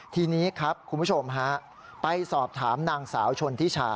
ทีนี้ครับคุณผู้ชมฮะไปสอบถามนางสาวชนทิชา